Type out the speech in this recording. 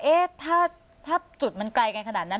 เอ๊ะถ้าจุดมันไกลกันขนาดนั้น